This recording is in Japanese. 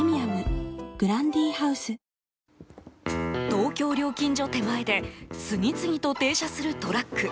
東京料金所手前で次々と停車するトラック。